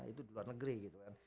itu di luar negeri gitu kan